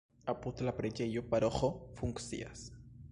Apud la preĝejo paroĥo funkcias.